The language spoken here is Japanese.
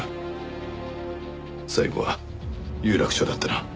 最後は有楽町だったな。